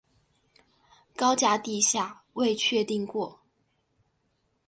高架地下未确定过。